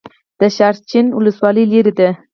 د شاحرچین ولسوالۍ لیرې ده